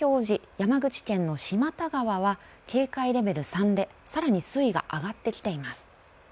山口県の島田川は警戒レベル３で、さらに水位が上がってきています。